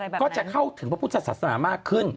ก็จะเข้าถึงพระพุทธศาสนามากขึ้น